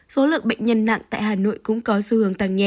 số lượng bệnh nhân nặng tại hà nội cũng có xu hướng tăng nhẹ